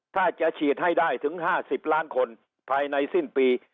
ถ้าจะฉีดให้ได้ถึง๕๐ล้านคนภายในสิ้นปี